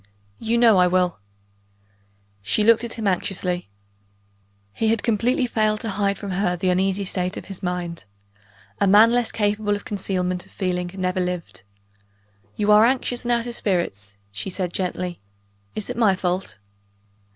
"You know I will!" She looked at him anxiously. He had completely failed to hide from her the uneasy state of his mind: a man less capable of concealment of feeling never lived. "You are anxious, and out of spirits," she said gently. "Is it my fault?"